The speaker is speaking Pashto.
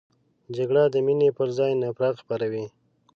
جګړه د مینې پر ځای نفرت خپروي